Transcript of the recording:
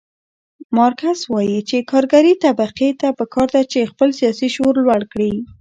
مارکس وایي چې کارګرې طبقې ته پکار ده چې خپل سیاسي شعور لوړ کړي.